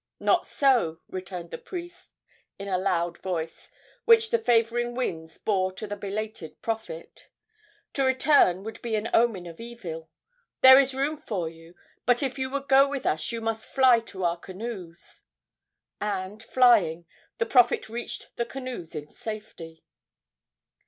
"Not so," returned the priest in a loud voice, which the favoring winds bore to the belated prophet. "To return would be an omen of evil. There is room for you, but if you would go with us you must fly to our canoes." And, flying, the prophet reached the canoes in safety.